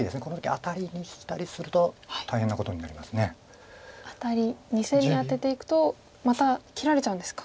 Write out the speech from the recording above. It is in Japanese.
アタリ２線にアテていくとまた切られちゃうんですか。